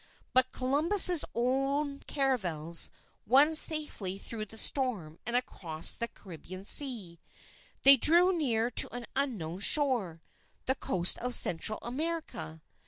But Columbus's own caravels won safely through the storm and across the Caribbean Sea. They drew near to an unknown shore the coast of Central America.